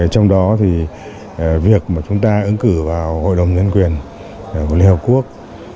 trong đó thì việc mà chúng ta ứng cử vào hội đồng nhân quyền của liên hợp quốc